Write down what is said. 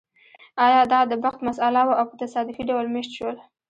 ایا دا د بخت مسئله وه او په تصادفي ډول مېشت شول